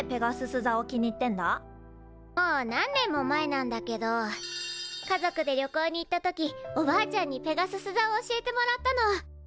もう何年も前なんだけど家族で旅行に行った時おばあちゃんにペガスス座を教えてもらったの。